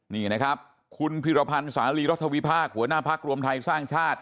นี่นะครับคุณพิรพันธ์สาลีรัฐวิพากษ์หัวหน้าพักรวมไทยสร้างชาติ